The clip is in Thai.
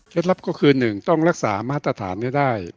เคล็ดลับก็คือหนึ่งต้องรักษามาตรฐานก็ได้